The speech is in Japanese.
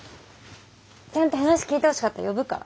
ちゃんと話聞いてほしかったら呼ぶから。